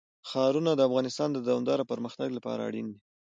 ښارونه د افغانستان د دوامداره پرمختګ لپاره اړین دي.